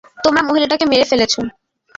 তোমরা মহিলাটাকে মেরে ফেলেছ।